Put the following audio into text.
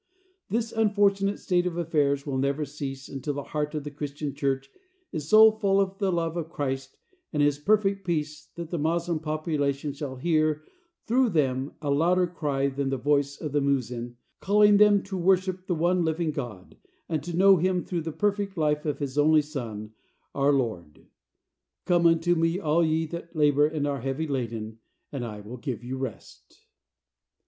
This unfortunate state of affairs will never cease until the heart of the Christian Church is so full of the love of Christ and his perfect peace that the Moslem population shall hear through them a louder cry than the voice of the muezzin, calling them to worship the one living God, and to know him through the perfect life of his only Son, our Lord. "Come unto me, all ye that labor and are heavy laden, and I will give you rest."